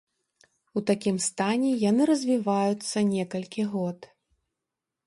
У такім стане яны развіваюцца некалькі год.